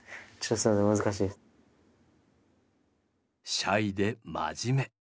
シャイで真面目。